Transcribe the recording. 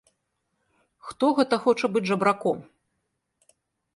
Хто гэта хоча быць жабраком!